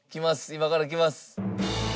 今から来ます。